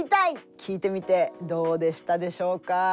聞いてみてどうでしたでしょうか？